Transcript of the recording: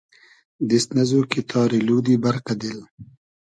دیست نئزو کی تاری لودی بئرقۂ دیل